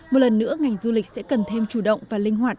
một lần nữa ngành du lịch sẽ cần thêm chủ động và linh hoạt